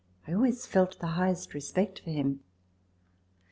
I always felt the highest respect for him.